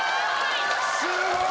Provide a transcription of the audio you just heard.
すごーい！